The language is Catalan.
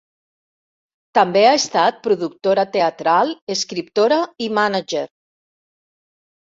També ha estat productora teatral, escriptora i mànager.